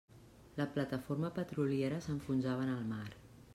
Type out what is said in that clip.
La plataforma petroliera s'enfonsava en el mar.